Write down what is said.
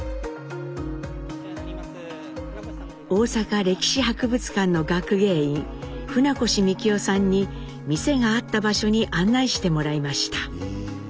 大阪歴史博物館の学芸員船越幹央さんに店があった場所に案内してもらいました。